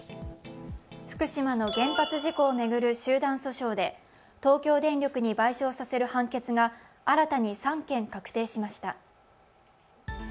福島の原発事故を巡る集団訴訟で東京電力に賠償させる判決が新たに３件確定しました。